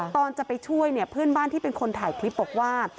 ตอนจะไปช่วยเนี่ยเพื่อนบ้านที่เป็นคนถ่ายคลิปบอกว่า